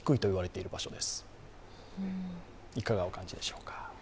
いかがお感じでしょうか。